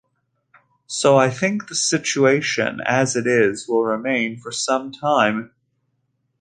So I think the situation as it is will remain for sometime.